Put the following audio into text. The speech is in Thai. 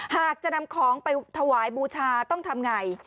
หากจะนำของไปถวายบูชาต้องทำไง